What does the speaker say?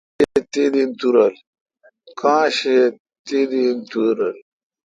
کاں شہ اؘ تیدی این تو رل۔